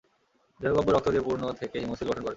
দেহ গহ্বর রক্ত দিয়ে পূর্ণ থেকে হিমোসিল গঠন করে।